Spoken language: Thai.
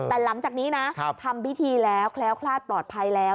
แต่หลังจากนี้นะทำพิธีแล้วแคล้วคลาดปลอดภัยแล้ว